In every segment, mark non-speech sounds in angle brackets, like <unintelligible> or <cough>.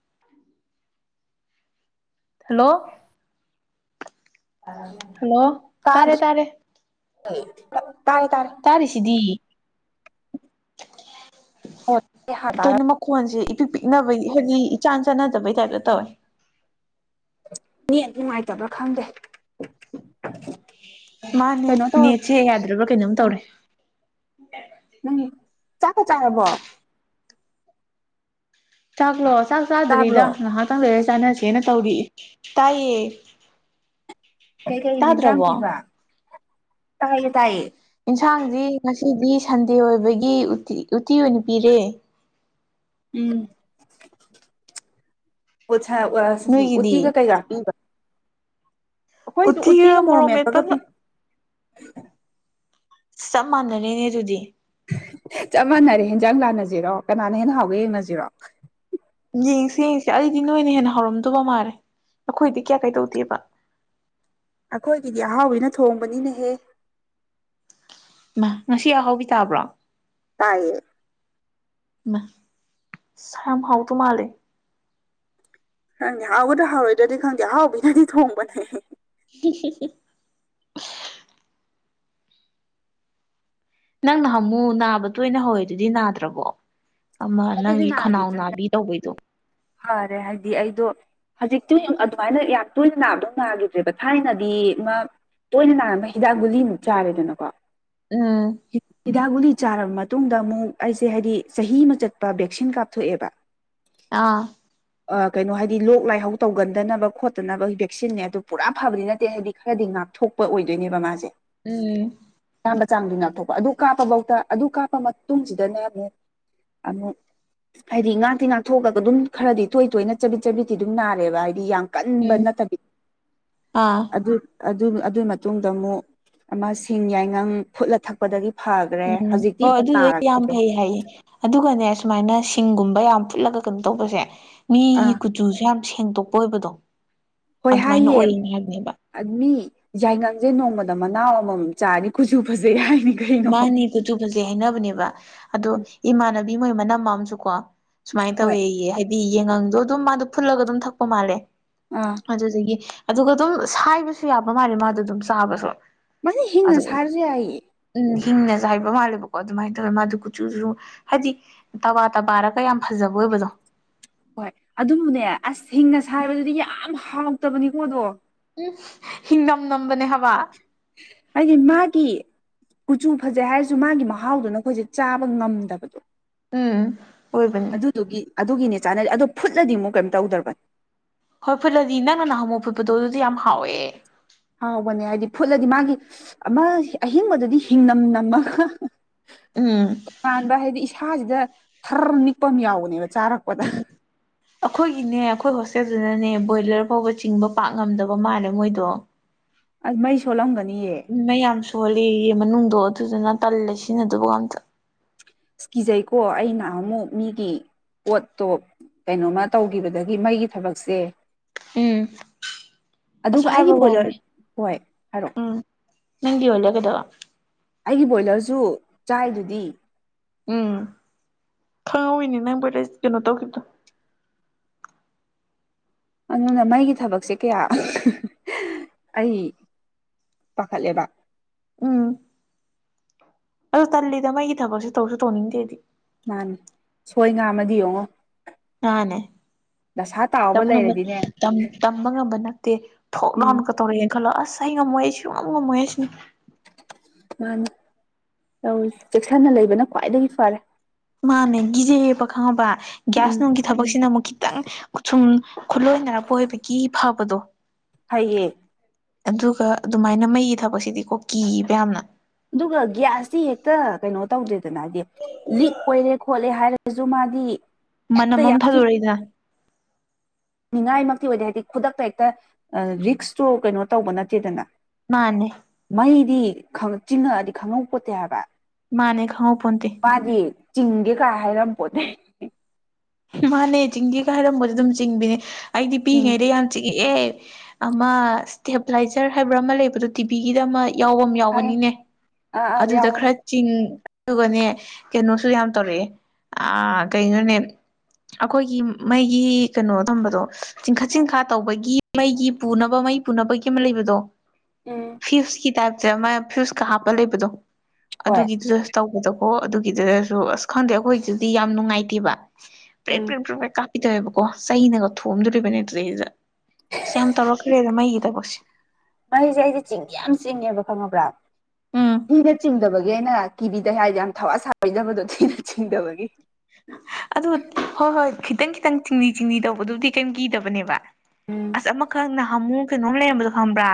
<inaudible> hello hello ꯇꯥꯔꯦ ꯇꯥꯗ꯭ꯔꯦ ꯇꯥꯔꯦ <unintelligible> ꯇꯥꯔꯤꯁꯤꯗꯤ ꯑꯣ ꯍꯥ ꯇꯥꯔ ꯀꯩꯅꯣ ꯃꯈꯣꯟꯁꯤ ꯏꯄꯤꯛ ꯄꯤꯛꯅꯕꯒꯤ ꯍꯥꯏꯗꯤ ꯏꯆꯥꯟ ꯆꯥꯟꯅꯗꯕꯩ ꯇꯥꯏꯞꯇ ꯇꯧꯋꯦ ꯅꯦꯠ ꯅꯨꯡꯉꯥꯏꯇꯕ꯭ꯔꯥ ꯈꯪꯗꯦ ꯃꯥꯅꯦ ꯀꯩꯅꯣ ꯇꯧꯔ ꯅꯦꯠꯁꯦ ꯌꯥꯗ꯭ꯔꯕ꯭ꯔꯥ ꯀꯩꯅꯣꯝ ꯇꯧꯔꯦ ꯅꯪ ꯆꯥꯛꯀ ꯆꯥꯔꯕꯣ ꯆꯥꯛꯂꯣ ꯆꯥꯛ ꯆꯥꯗ꯭ꯔꯤꯗ ꯇꯥꯕ꯭ꯔꯣ ꯉꯍꯥꯛꯇꯪ ꯂꯩꯔ ꯆꯥꯅ ꯀꯦꯅ ꯇꯧꯔꯤ ꯇꯥꯏꯌꯦ ꯀꯩ ꯀꯩ ꯌꯦꯟꯖꯥꯡ ꯇꯥꯗ꯭ꯔꯕꯣ ꯄꯤꯕ ꯇꯥꯏꯌꯦ ꯇꯥꯏꯌꯦ ꯌꯦꯟꯁꯥꯡꯗꯤ ꯉꯁꯤꯗꯤ ꯁꯟꯗꯦ ꯑꯣꯏꯕꯒꯤ ꯎꯇꯤ ꯎꯇꯤ ꯑꯣꯏꯅ ꯄꯤꯔꯦ ꯎꯝ ꯅꯣꯏꯒꯤꯗꯤ ꯎꯇꯤꯒ ꯀꯩꯒ ꯄꯤꯕ ꯑꯩꯈꯣꯏꯁꯨ ꯎꯠꯇꯤꯒ ꯃꯣꯔꯣ ꯃꯦꯠꯄꯒ ꯄꯤ ꯆꯞ ꯃꯥꯟꯅꯔꯤꯅꯦ ꯑꯗꯨꯗꯤ ꯆꯞ ꯃꯥꯟꯅꯔꯦ ꯍꯦꯟꯖꯥꯡ ꯂꯥꯟꯅꯁꯤꯔꯣ ꯀꯅꯥꯅ ꯍꯦꯟꯅ ꯍꯥꯎꯒꯦ ꯌꯦꯡꯅꯁꯤꯔꯣ ꯌꯦꯡꯁꯤ ꯌꯦꯡꯁꯤ ꯑꯩꯗꯤ ꯅꯣꯏꯅ ꯍꯦꯟꯅ ꯍꯧꯔꯝꯗꯧꯕ ꯃꯥꯜꯂꯦ ꯑꯩꯈꯣꯏꯗꯤ ꯀꯌꯥ ꯀꯩ ꯗꯧꯗꯦꯕ ꯑꯩꯈꯣꯏꯒꯤꯗꯤ ꯑꯍꯥꯎꯕꯤꯅ ꯊꯣꯡꯕꯅꯤꯅꯦꯍꯦ ꯃꯥ ꯉꯁꯤ ꯑꯍꯥꯎꯕꯤ ꯇꯥꯕ꯭ꯔꯣ ꯇꯥꯏꯌꯦ ꯃꯥ ꯁ ꯌꯥꯝ ꯍꯥꯎ ꯗꯨ ꯃꯥꯂꯦ ꯈꯪꯗꯦ ꯍꯥꯎꯒꯗꯔꯥ ꯍꯥꯎꯔꯣꯏꯗ꯭ꯔꯥꯗꯤ ꯈꯪꯗꯦ ꯑ ꯍꯥꯎꯕꯤꯅꯗꯤ ꯊꯣꯡꯕꯅꯦ <unintelligible> ꯅꯪ ꯅꯍꯥꯟꯃꯨꯛ ꯅꯥꯕ ꯇꯣꯏꯅ ꯍꯧꯋꯦꯗꯨꯗꯤ ꯅꯥꯗ꯭ꯔꯥꯕꯣ ꯑꯃ ꯑꯗꯨꯗꯤ ꯅꯪꯒꯤ ꯈꯅꯥꯎ ꯅꯥꯈꯤꯗ꯭ꯔꯦ ꯅꯥꯕꯤ ꯇꯧꯕꯩꯗꯣ ꯐꯔꯦ ꯍꯥꯏꯗꯤ ꯑꯩꯗꯣ ꯍꯧꯖꯤꯛꯇꯤ ꯑꯗꯨꯃꯥꯏꯅ ꯌꯥꯝ ꯇꯣꯏꯅ ꯅꯥꯕꯗꯣ ꯅꯥꯈꯤꯗ꯭ꯔꯦꯕ ꯊꯥꯏꯅꯗꯤ ꯃꯥ ꯇꯣꯏꯅ ꯅꯥꯔꯝꯕ ꯍꯤꯗꯥꯛ ꯒꯨꯂꯤꯃꯨꯛ ꯆꯥꯔꯦꯗꯅꯀꯣ ꯎꯝ ꯍꯤꯗꯥꯛ ꯒꯨꯂꯤ ꯆꯥꯔꯕ ꯃꯇꯨꯡꯗ ꯑꯃꯨꯛ ꯑꯩꯁꯦ ꯍꯥꯏꯗꯤ ꯆꯍꯤ ꯑꯃ ꯆꯠꯄ ꯚꯦꯛꯁꯤꯟ ꯀꯥꯞꯊꯣꯛꯑꯦꯕ ꯑꯥ ꯑꯥ ꯀꯩꯅꯣ ꯍꯥꯏꯗꯤ ꯂꯣꯛ ꯂꯥꯏꯍꯧ ꯇꯧꯒꯟꯗꯅꯕ ꯈꯣꯠꯇꯅꯕ ꯚꯦꯛꯁꯤꯟꯅ ꯑꯗꯨ ꯄꯨꯔꯥ ꯐꯕꯗꯤ ꯅꯠꯇꯦ ꯍꯥꯏꯗꯤ ꯈꯔꯗꯤ ꯉ ꯉꯥꯛꯊꯣꯛꯄ ꯑꯣꯏꯗꯣꯏꯅꯦꯕ ꯃꯥꯁꯦ ꯎꯝ ꯃꯆꯥꯝꯗꯨ ꯅꯛꯊꯣꯛꯄ ꯑꯗꯨ ꯀꯥꯞꯄꯐꯧꯗ ꯑꯗꯨ ꯀꯥꯞꯄ ꯃꯇꯨꯡꯁꯤꯗꯅꯦ ꯑꯃꯨꯛ ꯑꯃꯨꯛ ꯍꯥꯏꯗꯤ ꯉꯥꯛꯇꯤ ꯉꯥꯛꯊꯣꯛꯂꯒ ꯑꯗꯨꯝ ꯈꯔꯗꯤ ꯇꯣꯏ ꯇꯣꯏꯅ ꯆꯕꯤꯠ ꯆꯕꯤꯠꯇꯤ ꯑꯗꯨꯝ ꯅꯥꯔꯦꯕ ꯍꯥꯏꯗꯤ ꯌꯥꯝ ꯀꯟꯕ ꯎꯝ ꯅꯠꯇꯕꯤ ꯑꯥ ꯑꯗꯨ ꯑꯗꯨ ꯑꯗꯨꯏ ꯃꯇꯨꯡꯗ ꯑꯃꯨꯛ ꯑꯃꯁꯤꯡ ꯌꯥꯏꯉꯪ ꯐꯨꯠꯂ ꯊꯛꯄꯗꯒꯤ ꯐꯈ꯭ꯔꯦ ꯎꯝ ꯍꯧꯖꯤꯛꯇꯤ ꯍꯣꯏ ꯑꯃꯨꯛ ꯑꯗꯨꯗꯣ ꯌꯥꯝ ꯇꯥꯔꯛꯈꯤꯗ꯭ꯔꯦ ꯐꯩ ꯍꯥꯏꯌꯦ ꯑꯗꯨꯒꯅꯦ ꯁꯨꯃꯥꯏꯅ ꯁꯤꯡꯒꯨꯝꯕ ꯌꯥꯝ ꯐꯨꯠꯂꯒ ꯀꯩꯅꯣ ꯇꯧꯕꯁꯦ ꯃꯤꯒꯤ ꯑꯥ ꯀꯨꯆꯨꯁꯨ ꯌꯥꯝ ꯁꯦꯡꯇꯣꯛꯄ ꯑꯣꯏꯕꯗꯣ ꯍꯣꯏ ꯑꯗꯨꯃꯥꯏꯅ ꯍꯥꯏꯌꯦ ꯑꯣꯏꯌꯦꯅ ꯍꯥꯏꯕꯅꯦꯕ ꯃꯤ ꯑꯥ ꯌꯥꯏꯉꯪꯖꯦ ꯅꯣꯡꯃꯗ ꯃꯅꯥꯎ ꯑꯃꯃꯝ ꯆꯥꯔꯗꯤ ꯀꯨꯠꯆꯨ ꯐꯖꯩ ꯍꯥꯏꯅꯦ ꯃꯥꯅꯦ ꯀꯨꯆꯨ ꯐꯖꯩ ꯍꯥꯏꯅꯕꯅꯦꯕ ꯑꯗꯣ ꯎꯝ ꯏꯃꯥꯟꯅꯕꯤ ꯃꯣꯏ ꯃꯅꯝꯑꯝꯖꯨꯀꯣ ꯁꯨꯃꯥꯏꯅ ꯍꯣꯏ ꯇꯧꯋꯦꯌꯦ ꯍꯥꯏꯗꯤ ꯌꯦꯡꯉꯪꯗꯣ ꯑꯗꯨꯝ ꯃꯥꯗꯣ ꯐꯨꯠꯂꯒ ꯑꯗꯨꯝ ꯊꯛꯄ ꯃꯥꯜꯂꯦ ꯑꯥ ꯑꯗꯨꯗꯒꯤ ꯑꯗꯨꯒ ꯑꯗꯨꯝ ꯁꯥꯏꯕꯁꯨ ꯌꯥꯕ ꯃꯥꯜꯂꯦ ꯃꯥꯗꯣ ꯑꯗꯨꯝ ꯆꯥꯕꯁꯨ ꯃꯗꯤ ꯍꯤꯡꯅ ꯑꯗꯨ ꯁꯥꯏꯔꯖꯨ ꯌꯥꯏꯌꯦ ꯎꯝ ꯍꯤꯡꯅ ꯆꯥꯏꯕ ꯃꯥꯜꯂꯦꯕꯀꯣ ꯑꯗꯨꯃꯥꯏꯅ ꯇꯧꯋꯦ ꯃꯥꯗꯨ ꯀꯨꯆꯨꯖꯨ ꯍꯥꯏꯗꯤ ꯇꯕꯥ ꯇꯕꯥꯔꯒ ꯌꯥꯝ ꯐꯖꯩ <unintelligible> ꯑꯣꯏꯕꯗꯣ ꯍꯣꯏ ꯑꯗꯨꯕꯨꯅꯦ ꯑꯁ ꯍꯤꯡꯅ ꯎꯝ ꯁꯥꯥꯏꯕꯗꯨꯗꯤ ꯌꯥꯝ ꯍꯥꯎꯇꯕꯅꯤꯀꯣꯗꯣ ꯍꯤꯡ ꯅꯝ ꯅꯝꯕꯅꯦ ꯍꯥꯕ ꯑꯗꯤ ꯃꯥꯒꯤ ꯀꯨꯆꯨ ꯐꯖꯩ ꯍꯥꯏꯔꯁꯨ ꯃꯥꯒꯤ ꯃꯍꯥꯎꯗꯨꯅꯈꯣꯏꯁꯦ ꯆꯥꯕ ꯉꯝꯗꯕꯗꯣ ꯎꯝ ꯑꯣꯏꯕꯅꯦ ꯑꯗꯨꯗꯨꯒꯤ ꯑꯗꯨꯒꯤꯅꯦ ꯆꯥꯟꯅꯗ ꯑꯗꯣ ꯐꯨꯠꯂꯗꯤ ꯑꯃꯨꯛ ꯀꯩꯝ ꯇꯧꯗ꯭ꯔꯕꯅꯦ ꯍꯣꯏ ꯐꯨꯠꯂꯗꯤ ꯅꯪꯅ ꯅꯍꯥꯃꯨꯛ ꯐꯨꯠꯄꯗꯣ ꯑꯗꯨꯗꯤ ꯌꯥꯝ ꯍꯥꯎꯋꯦ ꯍꯥꯎꯕꯅꯦ ꯍꯥꯏꯗꯤ ꯐꯨꯠꯂꯗꯤ ꯃꯥꯒꯤ ꯑꯃ ꯑꯍꯤꯡꯕꯗꯨꯗꯤ ꯍꯤꯡꯅꯝ ꯅꯝꯃꯒ ꯎꯝ ꯇꯣꯉꯥꯟꯕ ꯍꯥꯏꯗꯤ ꯏꯁꯥꯁꯤꯗ ꯊꯔ ꯅꯤꯛꯄ ꯑꯃ ꯌꯥꯎꯕꯅꯦꯕ ꯆꯥꯔꯛꯄꯗ ꯑꯈꯣꯏꯒꯤꯅꯦ ꯑꯈꯣꯏ ꯍꯣꯁ ꯑꯗꯨꯗꯨꯅꯅꯦ ꯕꯣꯏꯂꯔ ꯐꯥꯎꯕ ꯆꯤꯡꯕ ꯄꯥꯛ ꯉꯝꯗꯕ ꯃꯥꯜꯂꯦ ꯃꯣꯏꯗꯣ ꯑꯗꯨ ꯃꯩ ꯁꯣꯜꯂꯝꯒꯅꯤ ꯃꯩ ꯌꯥꯝ ꯁꯣꯜꯂꯦꯌꯦ ꯃꯅꯨꯡꯗꯣ ꯑꯗꯨꯗꯨꯅ ꯇꯜꯂꯦ ꯁꯤꯖꯤꯟꯅꯗꯨꯕꯒ ꯑꯝꯇ ꯏꯁ ꯀꯤꯖꯩꯀꯣ ꯑꯩꯅꯍꯟ ꯃꯨꯛ ꯃꯤꯒꯤ ꯄꯣꯠꯇꯣ ꯀꯩꯅꯣꯃ ꯇꯧꯒꯤꯕꯗꯒꯤ ꯃꯩꯒꯤ ꯊꯕꯛꯁꯦ ꯎꯝ ꯑꯁ ꯑꯗꯨꯒ ꯑꯩꯒꯤ ꯍꯥꯏꯕ ꯕꯣꯏꯂꯔ ꯋꯥꯅꯦ ꯍꯣꯏ ꯍꯥꯏꯔꯛꯑꯣ ꯎꯝ ꯅꯪꯒꯤ ꯕꯣꯏꯂꯔ ꯀꯩꯗꯧꯕ ꯑꯩꯒꯤ ꯕꯣꯏꯂꯔꯖꯨ ꯆꯥꯏꯗꯨꯗꯤ ꯎꯝ ꯈꯪꯍꯧꯋꯤꯅꯦ ꯅꯪ ꯕꯣꯏꯂꯔ ꯀꯩꯅꯣ ꯇꯧꯒꯤꯕꯗꯣ ꯑꯗꯨꯅ ꯃꯩꯒꯤ ꯊꯕꯛꯁꯦ ꯀꯌꯥ ꯑꯩ ꯄꯥꯈꯠꯂꯦꯕ ꯑꯗꯣ ꯇꯜꯂꯤꯗ ꯃꯩꯒꯤ ꯊꯕꯛꯁꯦ ꯇꯧꯁꯨ ꯇꯧꯅꯤꯡꯗꯦ ꯑꯩꯗꯤ ꯃꯥꯅꯤ ꯁꯣꯏ ꯉꯥꯝꯃꯗꯤ ꯌꯦꯡꯉꯣ ꯃꯥꯅꯦ ꯗꯁꯥ ꯇꯝ ꯇꯥꯎꯕ ꯉꯝꯕ ꯂꯩꯔꯗꯤꯅꯦ ꯇꯝ ꯇꯝꯕ ꯉꯝꯕ ꯅꯠꯇꯦ ꯐꯣꯛ ꯎꯝ ꯂꯥꯎꯅꯀ ꯇꯧꯔꯛꯑꯦꯅ ꯈꯜꯂꯣ ꯑꯁ ꯑꯩ ꯉꯝꯃꯣꯏ ꯑꯩ ꯁꯨꯉꯝꯉꯝꯃꯣꯏ ꯍꯥꯏꯁꯤꯅꯤ ꯃꯥꯅꯤ ꯇꯧꯔꯤꯖꯦ ꯆꯦꯛꯁꯤꯟꯅ ꯂꯩꯕꯅ ꯈ꯭ꯋꯥꯏꯗꯒꯤ ꯐꯔꯦ ꯃꯥꯅꯦ ꯒꯤꯖꯩꯌꯦꯕ ꯈꯪꯉꯕ ꯎꯝ ꯒ꯭ꯌꯥꯁ ꯅꯨꯡꯒꯤ ꯊꯕꯛꯁꯤꯅ ꯑꯃꯨꯛ ꯈꯤꯇꯪꯁꯨꯝ ꯈꯨꯂꯣꯏꯅꯔꯄ ꯑꯣꯏꯕꯒꯤ ꯐꯕꯗꯣ ꯐꯩꯌꯦ ꯑꯗꯨꯒ ꯑꯗꯨꯃꯥꯏꯅ ꯃꯩꯒꯤ ꯊꯕꯛꯁꯤꯗꯤꯀꯣ ꯀꯤꯕ ꯌꯥꯝꯅ ꯑꯗꯨꯒ ꯒ꯭ꯌꯥꯁꯇꯤ ꯍꯦꯛꯇ ꯀꯩꯅꯣ ꯇꯧꯗꯦꯗꯅ ꯍꯥꯏꯗꯤ ꯂꯤꯛ ꯑꯣꯏꯔꯦ ꯈꯣꯠꯂꯦ ꯍꯥꯏꯔꯖꯨ ꯃ ꯗꯤ ꯃꯅꯝ ꯑꯃ ꯊꯗꯣꯔꯛꯏꯗꯅ ꯉꯥꯏꯃꯛꯇꯤ ꯑꯣꯏꯗꯦ ꯍꯥꯏꯗꯤ ꯈꯨꯗꯛꯇ ꯍꯦꯛꯇ ꯔꯤꯛꯁꯇꯨ ꯀꯩꯅꯣ ꯇꯧꯕ ꯅꯠꯇꯦꯗꯅ ꯃꯥꯅꯦ ꯗꯤ ꯈ ꯆꯤꯡꯉꯛꯑꯗꯤ ꯈꯪꯍꯧꯄꯣꯠꯇꯦ ꯍꯥꯏꯕ ꯃꯥꯅꯦ ꯈꯥꯡꯍꯧ ꯄꯣꯟꯇꯦ ꯃꯥꯗꯤ ꯆꯤꯡꯒꯦ ꯀꯥꯏ ꯍꯥꯏꯔꯝꯄꯣꯟꯇꯦ ꯃꯥꯅꯦ ꯆꯤꯡꯒꯦ ꯀ ꯍꯥꯏꯔꯝꯕꯣꯗꯤ ꯑꯗꯨꯝ ꯆꯤꯡꯕꯤꯅꯦ ꯑꯩꯗꯤ ꯆꯤꯡ ꯄꯤꯛꯏꯉꯩꯗ ꯌꯥꯝ ꯆꯪ ꯑꯦ ꯑꯃ ꯏꯁꯇꯦꯞꯂꯥꯏꯖꯔ ꯍꯥꯏꯕ꯭ꯔ ꯑꯃ ꯂꯩꯕꯗꯣ ꯇꯤꯚꯤꯒꯤꯗ ꯑꯃ ꯌꯥꯎꯕ ꯑꯃ ꯈꯪꯉꯦ ꯌꯥꯎꯕꯅꯤꯅꯦ ꯑꯥ ꯑꯥ ꯑꯗꯨꯗ ꯌꯥꯎꯕꯅꯦ ꯈꯔ ꯆꯤꯡ ꯑꯗꯨꯒꯅꯦ ꯀꯩꯅꯣꯁꯨ ꯌꯥꯝ ꯇꯧꯔꯛꯑꯦ ꯑꯥ ꯀꯩꯅꯣꯅꯦ ꯑꯈꯣꯏꯒꯤ ꯃꯩꯒꯤ ꯀꯩꯅꯣ ꯊꯝꯕꯗꯣ ꯆꯤꯡꯈꯠ ꯆꯤꯡꯈ ꯇꯧꯕꯒꯤ ꯃꯩꯒꯤ ꯄꯨꯅꯕ ꯃꯩ ꯄꯨꯅꯕꯒꯤ ꯑꯃ ꯂꯩꯕꯗꯣ ꯎꯝ ꯐ꯭ꯌꯨꯁꯀꯤ ꯇꯥꯏꯞꯇ ꯃꯥ ꯐ꯭ꯌꯨꯁꯀ ꯍꯥꯞꯄ ꯂꯩꯕꯗꯣ ꯍꯣꯏ ꯑꯗꯨꯒꯤꯗꯨꯗ ꯇꯧ ꯗꯀꯣ ꯑꯗꯨꯒꯤꯗꯨꯗꯁꯨ ꯑꯁ ꯈꯪꯗꯦ ꯑꯈꯣꯏꯒꯤꯗꯨꯗꯤ ꯌꯥꯝ ꯅꯨꯡꯉꯥꯏꯇꯦꯕ ꯄ꯭ꯔꯦ ꯎꯝ ꯄ꯭ꯔꯦ ꯄ꯭ꯔꯦꯛ ꯀꯥꯞ ꯄꯤ ꯇꯧꯋꯦꯕꯀꯣ ꯆꯩꯅꯒ ꯊꯣꯝꯗꯣꯔꯤꯕꯅꯦ ꯑꯗꯨꯗꯩꯗꯨꯗ ꯑꯁ ꯌꯥꯝ ꯇꯧꯔꯛꯈ꯭ꯔꯦꯗ ꯃꯩꯒꯤꯗꯕꯛꯁꯦ ꯃꯩꯖꯦ ꯑꯩꯖꯦ ꯆꯤꯡꯗꯤ ꯌꯥꯝ ꯆꯤꯡꯉꯦꯕ ꯈꯪꯉꯕ꯭ꯔ ꯎꯝ ꯃꯤꯗ ꯆꯤꯡꯗꯕꯩ ꯑꯩꯅ ꯀꯤꯕꯤꯗꯦ ꯍꯥꯏꯖꯦ ꯌꯥꯝ ꯊꯋꯥ ꯁꯥꯥꯕꯤꯗꯕꯗꯣ ꯊꯤꯅ ꯆꯤꯡꯗꯕꯒꯤ ꯑꯗꯨ ꯍꯣꯏ ꯍꯣꯏ ꯈꯤꯇꯪ ꯈꯤꯇꯪ ꯆꯤꯡꯂꯤ ꯆꯤꯡꯂꯤ ꯇꯧꯕꯗꯨꯕꯨꯗꯤ ꯀꯩꯝ ꯀꯤꯗꯕꯅꯦꯕ ꯎꯝ ꯑꯁ ꯑꯃꯈꯛ ꯅꯍꯟꯃꯨꯛ ꯀꯩꯅꯣꯝ ꯂꯩꯔꯝꯕꯗꯣ ꯈꯪꯕ꯭ꯔ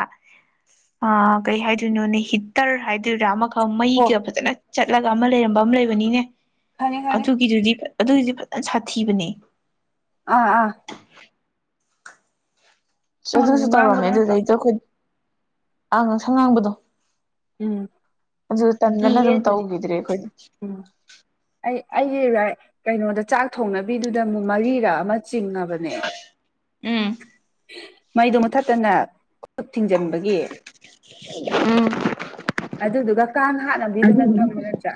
ꯑꯥ ꯀꯩ ꯍꯥꯏꯗꯣꯏꯅꯣꯅꯦ ꯍꯤꯇꯔ ꯍꯥꯏꯗꯣꯏꯔ ꯑꯃꯒ ꯑꯣ ꯃꯩꯒ ꯐꯖꯅ ꯆꯠꯂꯒ ꯑꯃ ꯂꯩꯔꯝꯕ ꯑꯃ ꯂꯩꯕꯅꯤꯅꯦ ꯈꯪꯉꯦ ꯈꯪꯉꯦ ꯑꯗꯨꯒꯤꯗꯨꯗꯤ ꯑꯗꯨꯒꯤꯗꯤ ꯐꯖꯅ ꯁꯥꯊꯤꯕꯅꯦ ꯑꯥ ꯑꯥ ꯑꯗꯨꯁꯨ ꯇꯧꯔꯝꯃꯦ ꯉꯥꯡꯕꯗꯣ ꯑꯗꯨꯗꯩꯗꯣ ꯅꯠꯇ꯭ꯔꯣ ꯑꯩꯈꯣꯏ ꯑꯉꯥꯡꯁꯪ ꯉꯥꯡꯕꯗꯣ ꯎꯝ ꯑꯗꯨ ꯇꯟꯗꯅ ꯀꯤꯌꯦ ꯑꯗꯨꯝ ꯑꯗꯨꯗꯤ ꯇꯧꯈꯤꯗ꯭ꯔꯦ ꯑꯩꯈꯣꯏ ꯎꯝ ꯑꯩ ꯑꯩꯒꯤ ꯔꯥꯏꯠ ꯀꯩꯅꯣꯗ ꯆꯥꯛ ꯊꯣꯡꯅꯕꯤꯗꯨꯗ ꯑꯃꯨꯛ ꯃꯔꯤꯔꯛ ꯑꯃ ꯆꯤꯡꯉꯕꯅꯦ ꯎꯝ ꯃꯩꯗꯨ ꯃꯨꯊꯠꯇꯅ ꯈꯨꯠ ꯊꯤꯡꯖꯤꯟꯕꯒꯤ ꯎꯝ ꯑꯗꯨꯗꯨꯒ ꯀꯥꯡ ꯍꯥꯠꯅꯕꯤꯗꯨ ꯅꯪ ꯈꯪꯕ ꯅꯠꯇ꯭ꯔꯥ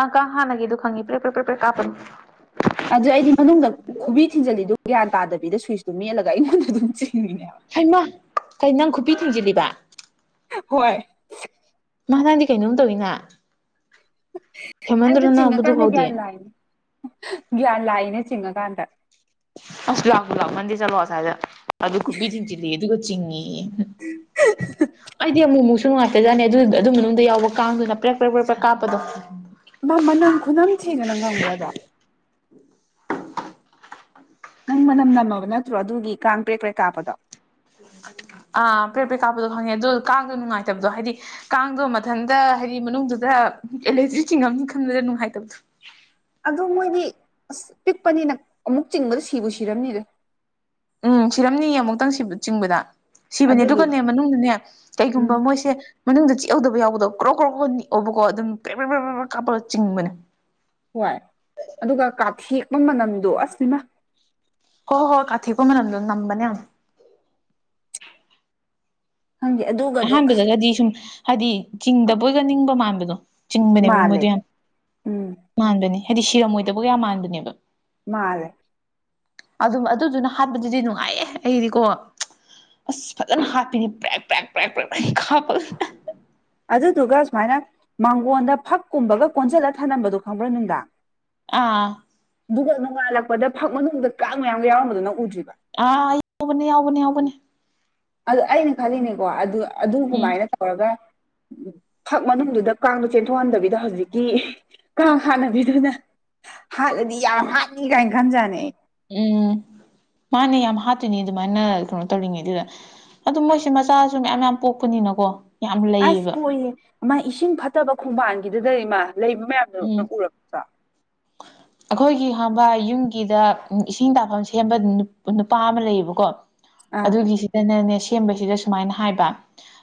ꯑ ꯀꯥ ꯍꯅꯒꯤꯗꯨ ꯈꯪꯉꯤ ꯄꯔꯦꯛ ꯄꯔꯦꯛ ꯄꯔꯦꯛ ꯀꯥꯞꯄꯅꯤ ꯑꯗꯨ ꯑꯩꯗꯤ ꯃꯅꯨꯡꯗ ꯈꯨꯕꯤ ꯊꯤꯟꯖꯤꯜꯂꯤꯗꯨ ꯒ꯭ꯌꯥꯟ ꯇꯥꯗꯕꯤꯗ ꯁ꯭ꯋꯤꯁꯇꯨ ꯃꯦꯠꯂꯒ ꯑꯩꯉꯣꯟꯗ ꯑꯗꯨꯝ ꯆꯤꯡ ꯍꯩꯃ ꯀꯩ ꯅꯪ ꯈꯨꯕꯤ ꯊꯤꯡꯖꯤꯜꯂꯤꯕ ꯍꯣꯏ ꯃꯥ ꯅꯪꯗꯤ ꯀꯩꯅꯣꯝ ꯇꯧꯋꯦꯅ ꯑꯩꯗꯣ ꯆꯤꯡꯉꯥ ꯀꯥꯟꯗ ꯐꯥꯎꯗꯤ ꯒ꯭ꯌꯥꯟ ꯂꯥꯛꯢꯅꯦ ꯒ꯭ꯌꯥꯟ ꯂꯥꯛ ꯆꯤꯡꯉꯀꯥꯟꯗ ꯑꯁ ꯂꯥꯛꯄꯣ ꯂꯥꯛꯃꯟꯗꯦ ꯆꯠꯂꯣ ꯑꯁ꯭ꯏꯗ ꯑꯗꯨ ꯈꯨꯕꯤ ꯊꯤꯡꯖꯤꯜꯂꯦ ꯑꯗꯨꯒ ꯆꯤꯡꯉꯦ ꯑꯩꯗꯤ ꯑꯃꯨ ꯃꯨꯛ ꯁꯨ ꯅꯨꯡꯉꯥꯏꯇꯖꯠꯅꯤ ꯑꯗꯨ ꯑꯗꯨ ꯃꯅꯨꯡꯗ ꯌꯥꯎꯕ ꯀꯥꯡꯗꯨꯅ ꯄ꯭ꯔꯦꯛ ꯄ꯭ꯔꯦꯛ ꯄ꯭ꯔꯦꯛ ꯀꯥꯞꯄꯗꯣ ꯃꯥ ꯃꯅꯝ ꯈꯨꯅꯝ ꯊꯤꯗꯣꯉ ꯅꯪ ꯈꯪꯕ꯭ꯔꯗꯣ ꯅꯪ ꯃꯅꯝ ꯅꯝꯃꯕ ꯅꯠꯇ꯭ꯔꯣ ꯑꯗꯨꯒꯤ ꯀꯥꯡ ꯄ꯭ꯔꯦꯛ ꯀ꯭ꯔꯦꯛ ꯀꯥꯞꯄꯗꯣ ꯑꯥ ꯄ꯭ꯔꯦꯞ ꯄ꯭ꯔꯦꯞ ꯀꯥꯞꯄꯗꯣ ꯈꯪꯉꯦ ꯑꯗꯨ ꯀꯥꯡꯗꯣ ꯅꯨꯡꯉꯥꯏꯇꯕꯗꯣ ꯍꯥꯏꯗꯤ ꯀꯥꯡꯗꯣ ꯃꯊꯟꯇ ꯍꯥꯏꯗꯤ ꯃꯅꯨꯡꯗꯨꯗ ꯑꯦꯂꯔꯖꯤ ꯆꯤꯡꯉꯝꯅꯤ ꯈꯪꯕꯗ ꯅꯨꯡꯉꯥꯏꯇꯕꯗꯣ ꯑꯗꯨ ꯃꯣꯏꯗꯤ ꯑꯁ ꯄꯤꯛꯄꯅꯤꯅ ꯑꯃꯨꯛ ꯆꯤꯡꯕꯗ ꯁꯤꯕꯨ ꯁꯤꯔꯝꯅꯤꯗ ꯎꯝ ꯁꯤꯔꯝꯅꯤ ꯑꯃꯨꯛꯇꯪ ꯆꯤꯡꯕꯗ ꯁꯤꯕꯅꯦ ꯑꯗꯨꯗꯨ ꯑꯗꯨꯒꯅꯦ ꯃꯅꯨꯡꯗꯅꯦ ꯀꯩꯒꯨꯝꯕ ꯎꯝ ꯃꯣꯏꯁꯦ ꯃꯅꯨꯡꯗ ꯆꯤꯛ ꯍꯧꯗꯕ ꯌꯥꯎꯕꯗꯣ ꯀ꯭ꯔꯣꯛ ꯀ꯭ꯔꯣꯛ ꯅꯤꯛꯑꯣꯕꯀꯣ ꯑꯗꯨꯝ ꯄꯦꯛ ꯄꯦꯛ ꯀꯥꯞꯄꯒ ꯆꯤꯡꯕꯅꯦ ꯍꯣꯏ ꯑꯗꯨꯒ ꯀꯥꯊꯦꯛꯄ ꯃꯅꯝꯗꯣ ꯑꯁ ꯏꯃꯥ ꯍꯣ ꯍꯣ ꯀꯥꯊꯦꯛꯄ ꯃꯅꯝꯗꯣ ꯅꯝꯕꯅꯦ ꯌꯥꯝ ꯈꯪꯗꯦ ꯑꯗꯨꯒꯗꯣ ꯑꯁ ꯑꯍꯥꯟꯕꯗꯒꯗꯤ ꯁꯨꯝ ꯍꯥꯏꯗꯤ ꯆꯤꯡꯗꯕꯣꯏꯒ ꯅꯤꯡꯕ ꯃꯥꯟꯕꯗꯣ ꯆꯤꯡꯕꯅꯦꯕ ꯃꯥꯜꯂꯦ ꯃꯣꯏꯗꯣ ꯌꯥꯝ ꯎꯝ ꯃꯥꯟꯕꯅꯦ ꯍꯥꯏꯗꯤ ꯁꯤꯔꯝꯃꯣꯏꯗꯕꯒ ꯌꯥꯝ ꯃꯥꯟꯕꯅꯦꯕ ꯃꯥꯜꯂꯦ ꯑꯗꯨꯝ ꯑꯗꯨꯗꯨꯅ ꯍꯥꯠꯄꯗꯨꯗꯤ ꯅꯨꯡꯉꯥꯏꯌꯦ ꯑꯩꯗꯤꯀꯣ ꯑꯁ ꯐꯖꯅ ꯍꯥꯞꯄꯤꯅꯤ ꯄ꯭ꯔꯦꯛ ꯄ꯭ꯔꯦꯛ ꯄ꯭ꯔꯦꯛ ꯄ꯭ꯔꯦꯛ ꯄ꯭ꯔꯦꯛ ꯀꯥꯞꯄꯒ ꯑꯗꯨꯗꯨꯒ ꯁꯨꯃꯥꯏꯅ ꯃꯥꯡꯒꯣꯟꯗ ꯐꯛꯀꯨꯝꯕꯒ ꯀꯣꯟꯁꯤꯜꯂ ꯊꯥꯅꯝꯕꯗꯣ ꯈꯪꯕ꯭ꯔꯥ ꯅꯨꯡꯗꯥꯡ ꯑꯥ ꯑꯗꯨꯒ ꯅꯣꯡꯉꯥꯜꯂꯛꯄꯗ ꯐꯛ ꯃꯅꯨꯡꯗ ꯀꯥꯡ ꯃꯌꯥꯝꯒ ꯌꯥꯎꯔꯝꯕꯗꯨ ꯅꯪ ꯎꯗ꯭ꯔꯤ ꯑꯥ ꯌꯥꯎꯕꯅꯤ ꯌꯥꯎꯕꯅꯤ ꯌꯥꯎꯕꯅꯤ ꯑꯗꯨ ꯑꯩꯅ ꯈꯜꯂꯤꯅꯦꯀꯣ ꯑꯗꯨ ꯎꯝ ꯑꯗꯨꯃꯥꯏꯅ ꯇꯧꯔꯒ ꯐꯛ ꯃꯅꯨꯡꯗꯨꯗ ꯀꯥꯡꯗꯣ ꯆꯦꯟꯊꯣꯛꯍꯟꯗꯕꯤꯗ ꯍꯧꯖꯤꯛꯀꯤ ꯀꯥꯡ ꯍꯥꯥꯠꯅꯕꯤꯗꯨꯅ ꯍꯥꯠꯂꯗꯤ ꯌꯥꯝ ꯍꯥꯠꯅꯤ ꯀꯥꯏꯅ ꯈꯟꯖꯥꯅꯤ ꯑꯩ ꯎꯝ ꯃꯥꯅꯦ ꯌꯥꯝ ꯍꯥꯠꯇꯣꯏꯅꯤ ꯑꯗꯨꯃꯥꯏꯅ ꯀꯩꯅꯣ ꯇꯧꯔꯤꯉꯩꯗꯨꯗ ꯑꯗꯨ ꯃꯣꯏꯁꯦ ꯃꯆꯥꯁꯨ ꯃꯌꯥꯝ ꯃꯌꯥꯝ ꯄꯣꯛꯄꯅꯤꯅꯀꯣ ꯌꯥꯝ ꯑꯁ ꯂꯩꯌꯦꯕ ꯄꯣꯛꯢꯍꯦ ꯃꯥ ꯏꯁꯤꯡ ꯐꯠꯇꯕ ꯈꯣꯡꯕꯥꯟꯒꯤꯗꯨꯗ ꯏꯃꯥ ꯂꯩꯕ ꯃꯌꯥꯝꯗꯨ ꯅꯪ ꯎꯔꯛꯇ꯭ꯔ ꯑꯈꯣꯏꯒꯤ ꯍꯪꯕꯥ ꯌꯨꯝꯒꯤꯗ ꯏꯁꯤꯡ ꯇꯥꯐꯝ ꯁꯦꯝꯕ ꯅꯨꯄꯥ ꯑꯃ ꯂꯩꯕꯀꯣ ꯑꯥ ꯑꯗꯨꯒꯤꯁꯤꯗꯅꯅꯦ ꯁꯦꯝꯕꯁꯤꯗ ꯁꯨꯃꯥꯏꯟ ꯍꯥꯏꯕ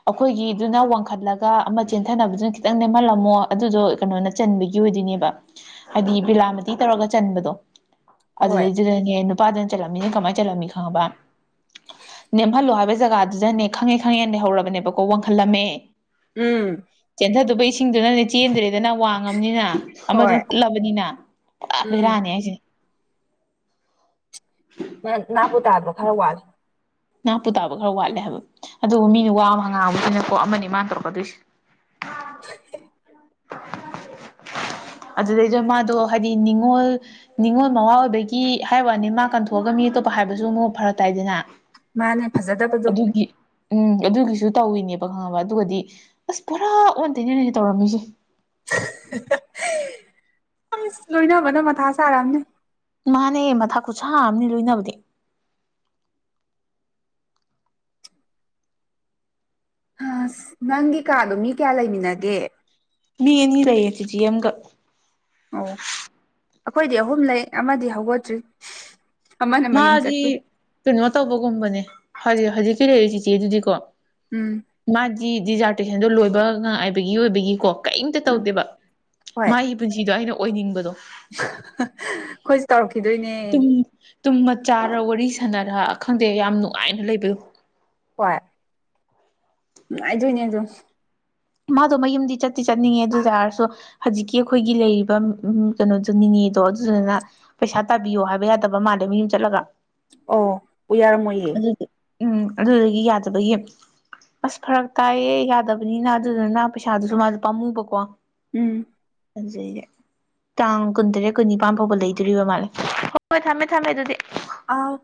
ꯑꯈꯣꯏꯒꯤꯗꯨꯅ ꯋꯥꯡꯈꯠꯂꯒ ꯑꯃ ꯆꯦꯟꯊꯅꯕꯗꯨꯅ ꯈꯤꯇꯪ ꯅꯦꯝꯍꯜꯂꯝꯃꯣ ꯑꯗꯨꯗꯣ ꯀꯅꯣꯅ ꯆꯟꯕꯒꯤ ꯑꯣꯢꯗꯣꯢꯅꯦꯕ ꯍꯥꯏꯗꯤ ꯕꯤꯂꯥ ꯇꯤ ꯇꯧꯔꯒ ꯆꯟꯕꯗꯣ ꯍꯣꯏ ꯑꯗꯨꯗꯩꯗꯨꯗꯅꯦ ꯅꯨꯄꯥꯗꯨꯅ ꯆꯠꯂꯝꯃꯤꯅ ꯀꯃꯥꯏꯟ ꯆꯜꯂꯝꯃꯤ ꯈꯪꯉꯕ ꯅꯦꯝꯍꯜꯂꯣ ꯍꯥꯏꯕ ꯖꯒꯥꯗꯨꯗꯅꯦ ꯈꯪꯉꯦ ꯈꯪꯉꯦꯅ ꯂꯩꯍꯧꯔꯕꯅꯦꯕꯀꯣ ꯋꯥꯡꯈꯜꯂꯝꯃꯦ ꯎꯝ ꯆꯦꯟꯊꯗꯨꯕ ꯏꯁꯤꯡꯗꯨꯅꯅꯦ ꯆꯦꯟꯗ꯭ꯔꯦꯗꯅ ꯋꯥꯡꯉꯝꯅꯤꯅ ꯍꯣꯏ ꯑꯃꯗꯨꯅ ꯀꯨꯠꯂꯕꯅꯤꯅ ꯎꯝ ꯕꯦꯔꯥꯅꯦ ꯍꯥꯏꯁꯤꯅꯤ <unintelligible> ꯅꯥ ꯄꯨ ꯇꯥꯕ ꯈꯔ ꯋꯥꯠꯂꯦ ꯍꯥꯏꯕ ꯑꯗꯨꯕꯨ ꯃꯤꯅ ꯋꯥ ꯑꯃ ꯍꯪꯉꯥꯡꯕꯅꯤꯅꯀꯣ ꯑꯃꯅꯤ ꯃꯥꯅ ꯇꯧꯔꯛꯀꯗꯣꯏꯁꯤ <inaudible> <inaudible> <inaudible> ꯑꯗꯨꯗꯩꯗꯣ ꯃꯥꯗꯣ ꯍꯥꯏꯗꯤ ꯅꯤꯡꯉꯣꯜ ꯅꯤꯡꯉꯣꯜ ꯃꯋꯥꯥ ꯑꯣꯏꯕꯒꯤ ꯍꯥꯏ ꯋꯥꯅꯤ ꯃꯥ ꯀꯟꯊꯣꯑꯒ ꯃꯤ ꯑꯇꯣꯞꯄ ꯍꯥꯏꯕꯁꯨ ꯃꯨ ꯐꯔꯛ ꯇꯥꯏꯗꯅ ꯃꯥꯅꯦ ꯐꯖꯗꯕꯗꯣ ꯑꯗꯨꯒꯤ ꯎꯝ ꯑꯗꯨꯒꯤꯁꯨ ꯇꯧꯏꯅꯦꯕ ꯈꯪꯉꯕ ꯑꯗꯨꯒꯗꯤ ꯑꯁ ꯄꯨꯔꯥ ꯑꯣꯟꯇꯩꯅꯅꯅꯦ ꯇꯧꯔꯝꯃꯤꯁꯦ <unintelligible> ꯑꯁ ꯂꯣꯏꯅꯕꯅ ꯃꯊꯥ ꯁꯥꯔꯝꯅꯤ ꯃꯥꯅꯦ ꯃꯊꯥ ꯈꯨꯠꯁꯥ ꯑꯝꯅꯤ ꯂꯣꯏꯅꯕꯗꯤ ꯑꯁ ꯅꯪꯒꯤ ꯀꯥꯗꯣ ꯃꯤ ꯀ꯭ꯌꯥ ꯂꯩꯃꯤꯟꯅꯒꯦ ꯃꯤ ꯑꯅꯤ ꯂꯩꯌꯦ ꯆꯤꯆꯦ ꯑꯃꯒ ꯑꯣ ꯑꯩꯈꯣꯏꯗꯤ ꯑꯍꯨꯝ ꯂꯩ ꯑꯃꯗꯤ ꯍꯧꯒꯠꯇ꯭ꯔꯤ ꯑꯃꯅ ꯃꯌꯨꯝ ꯃꯥꯗꯤ ꯆꯠꯈꯤ ꯀꯩꯅꯣ ꯇꯧꯕꯒꯨꯝꯕꯅꯦ ꯍꯧꯖꯤ ꯍꯧꯖꯤꯛꯀꯤ ꯂꯩꯔꯤ ꯆꯤꯆꯦ ꯗꯨꯗꯤꯀꯣ ꯎꯝ ꯃꯥꯗꯤ ꯗꯤꯖꯥꯔꯇꯦꯁꯟꯗꯣ ꯂꯣꯏꯕ ꯉꯥꯏꯕꯒꯤ ꯑꯣꯏꯕꯒꯤꯀꯣ ꯀꯩꯝꯇ ꯎꯝ ꯇꯧꯗꯦꯕ ꯃꯥꯒꯤ ꯄꯨꯟꯁꯤꯗꯣ ꯑꯩꯅ ꯑꯣꯏꯅꯤꯡꯕꯗꯣ <unintelligible> ꯈꯣꯏꯁꯨ ꯇꯧꯔꯛꯈꯤꯗꯣꯏꯅꯦ ꯃꯆꯥꯔ ꯋꯥꯔꯤ ꯁꯥꯟꯅꯔꯥ ꯈꯪꯗꯦ ꯌꯥꯝ ꯅꯨꯡꯉꯥꯏꯅ ꯂꯩꯕꯗꯨ ꯍꯣꯏ ꯅꯨꯉꯥꯏꯗꯣꯏꯅꯦ ꯑꯗꯨ ꯃꯥꯗꯣ ꯃꯌꯨꯝꯗꯤ ꯆꯠꯇꯤ ꯆꯠꯅꯤꯡꯉꯦ ꯑꯗꯨꯢꯇꯥꯔꯁꯨ ꯍꯖꯤꯛꯀꯤ ꯑꯈꯣꯏꯒꯤ ꯂꯩꯔꯤꯕ ꯎꯝ ꯎꯝ ꯀꯩꯅꯣꯖꯨ ꯅꯤꯅꯦ ꯗꯣ ꯑꯗꯨꯗꯨꯅ ꯄꯩꯁꯥ ꯇꯥꯕꯤꯌꯣ ꯍꯥꯏꯕ ꯌꯥꯗꯕ ꯃꯥꯜꯂꯦ ꯃꯌꯨꯝ ꯆꯠꯂꯒ ꯑꯣ ꯎ ꯌꯥꯔꯝ ꯃꯣꯏꯌꯦ ꯑꯗꯨꯒꯤ ꯎꯝ ꯑꯗꯨꯗꯨꯒꯤ ꯌꯥꯗꯕꯒꯤ ꯑꯁ ꯐꯔꯛ ꯇꯥꯏꯌꯦ ꯌꯥꯗꯕꯅꯤꯅ ꯑꯗꯨꯗꯅ ꯄꯩꯁꯥꯗꯨꯁꯨ ꯃꯥꯁꯨ ꯄꯥꯝꯃꯨꯕꯀꯣ ꯎꯝ ꯑꯖꯩꯔꯦ ꯇꯥꯡ ꯀꯨꯟꯇꯔꯦꯠ ꯀꯨꯟꯅꯤꯄꯥꯟ ꯐꯥꯎꯕ ꯂꯩꯗꯣꯔꯤꯕ ꯃꯥꯜꯂꯦ ꯍꯣꯏ ꯍꯣꯏ ꯊꯝꯃꯦ ꯊꯝꯃꯦ ꯑꯗꯨꯗꯤ ꯑꯥꯎ